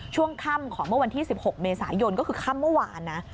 ช่วงค่ำของเมื่อวันที่๑๖เมษายนก็คือค่ำเมื่อวานนะ